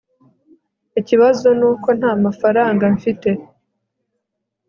ikibazo nuko ntamafaranga mfite